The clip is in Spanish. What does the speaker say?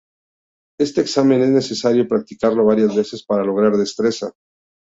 Este examen es necesario practicarlo varias veces para lograr destreza.